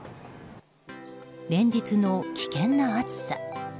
連日の危険な暑さ。